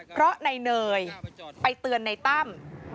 เพราะนายเนยไปเตือนในตั้ม